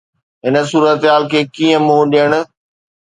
هن صورتحال کي ڪيئن منهن ڏيڻ؟